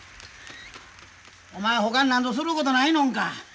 お前ほかに何ぞすることないのんか。